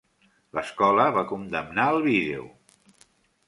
L'escola va condemnar el vídeo.